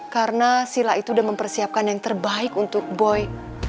karena sila itu udah mempersiapkan yang terbaik untuk boy